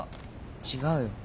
違うよ。